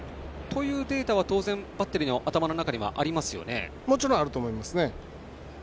そういうデータは当然バッテリーの頭の中にはもちろんあると思いますね。